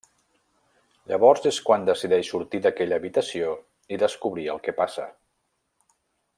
Llavors és quan decideix sortir d'aquella habitació i descobrir el que passa.